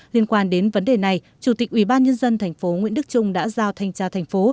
liên quan đến vấn đề này chủ tịch ubnd tp nguyễn đức trung đã giao thanh tra thành phố